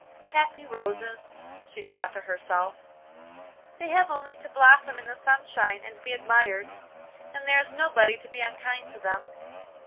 'Happy roses,' she thought to herself, 'they have only to blossom in the sunshine and be admired, and there is nobody to be unkind to them.